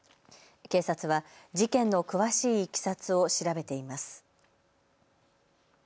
警察は事件の詳しいいきさつを調べています。